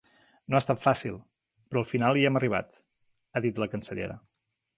No ha estat fàcil, però al final hi hem arribat, ha dit la cancellera.